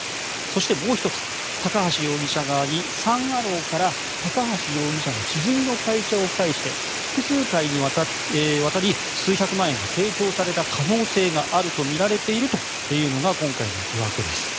そして、もう１つ高橋容疑者側にサン・アローから高橋容疑者の知人の会社を介して複数回にわたり数百万円が提供された可能性があるとみられているのが今回の疑惑です。